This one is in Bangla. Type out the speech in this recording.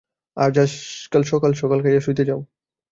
আজ সকাল সকাল খাইয়া শুইতে যাও।